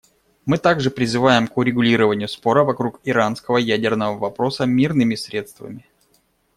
Мы также призываем к урегулированию спора вокруг иранского ядерного вопроса мирными средствами.